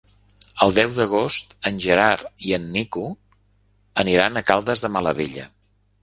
El deu d'agost en Gerard i en Nico aniran a Caldes de Malavella.